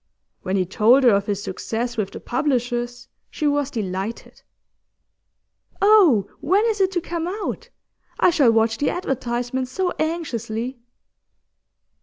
When he told her of his success with the publishers, she was delighted. 'Oh, when is it to come out? I shall watch the advertisements so anxiously.